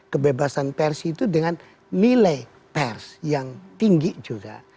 kebebasan pers itu dengan nilai pers yang tinggi juga